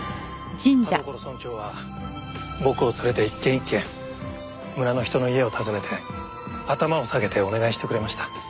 田所村長は僕を連れて一軒一軒村の人の家を訪ねて頭を下げてお願いしてくれました。